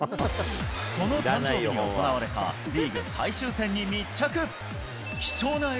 その誕生日に行われたリーグ最終戦に密着。